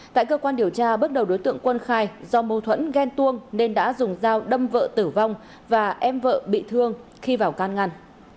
tại cơ quan điều tra bước đầu đối tượng quân khai do mâu thuẫn ghen tuông nên đã dùng dao đâm vợ tử vong và em vợ bị thương khi vào can ngăn